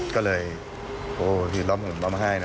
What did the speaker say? ก็เลยโอ้หิดล้อมเหมือนบ้ามาห้ายเนอะ